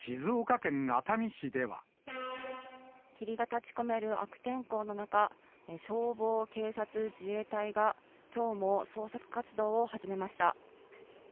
霧が立ちこめる悪天候の中、消防、警察、自衛隊が、きょうも捜索活動を始めました。